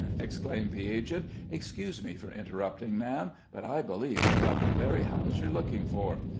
exclaimed the agent; "excuse me for interrupting, ma'am, but I believe I've got the very house you're looking for.